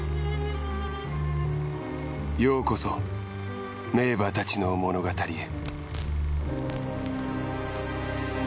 ようこそ名馬たちの物語へ。